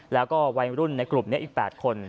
แล้วก็วัยรุ่นในกลุ่มนี้อีก๘คน